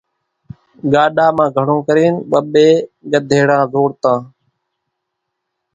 ڳاڏا مان گھڻون ڪرينَ ٻٻيَ ڳڌيڙان زوڙتان۔